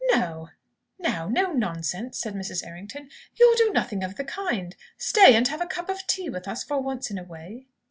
"Now, no nonsense!" said Mrs. Errington. "You'll do nothing of the kind! Stay and have a cup of tea with us for once in a way."